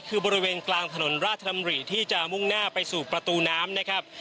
คือบริเวณกลางถนนราชดำริที่จะมุ่งหน้าไปสู่ประตูน้ำนะครับ